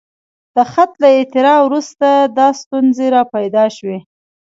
د خط له اختراع وروسته دا ستونزې راپیدا شوې.